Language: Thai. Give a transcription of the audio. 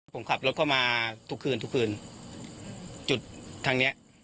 ผมขับรถเข้ามาทุกคืนทุกคืนจุดทางเนี้ย